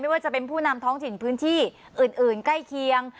ว่าจะเป็นผู้นำท้องถิ่นพื้นที่อื่นใกล้เคียง